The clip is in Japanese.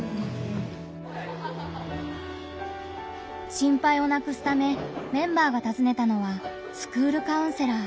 心配をなくすためメンバーがたずねたのはスクールカウンセラー。